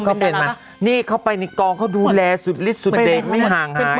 เขาเป็นมันนี่เข้าไปกองเขาดูแลสุดไม่ห่างหาย